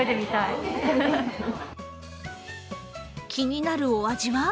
気になるお味は？